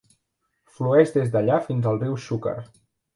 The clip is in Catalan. Flueix des d'allà fins al riu Xúquer.